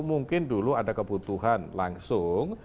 mungkin dulu ada kebutuhan langsung